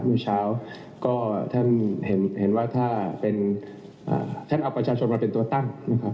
เมื่อเช้าก็ท่านเห็นว่าถ้าเป็นท่านเอาประชาชนมาเป็นตัวตั้งนะครับ